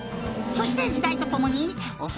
「そして時代とともに」